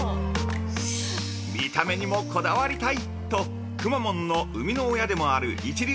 見た目にもこだわりたいとくまモンの生みの親でもある一流